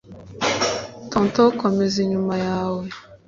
Tonto komeza inyuma yawe